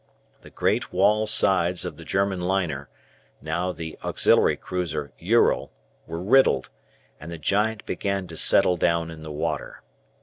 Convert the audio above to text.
The great wall sides of the German liner, now the auxiliary cruiser "Ural," were riddled, and the giant began to settle down in the water.